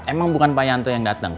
emang bukan pak yanto yang datang